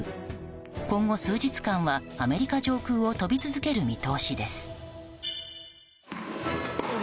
今後数日間は、アメリカ上空を飛び続ける見通しです。